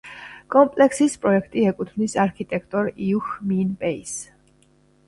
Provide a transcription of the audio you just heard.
კომპლექსის პროექტი ეკუთვნის არქიტექტორ იუჰ მინ პეის.